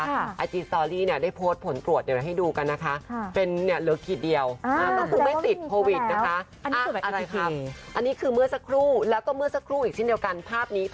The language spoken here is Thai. ไอจีตอรีได้โพสต์ผลปรวจให้ดูกันนะคะ